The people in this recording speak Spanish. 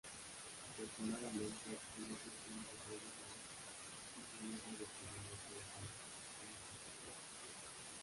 Aproximadamente al mismo tiempo Robert Noyce hizo el mismo descubrimiento en Fairchild Semiconductor.